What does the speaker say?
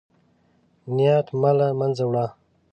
نبات مه له منځه وړه.